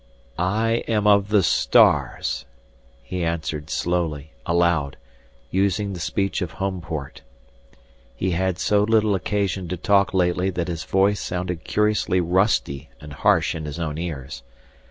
"I am of the stars," he answered slowly, aloud, using the speech of Homeport. He had so little occasion to talk lately that his voice sounded curiously rusty and harsh in his own ears.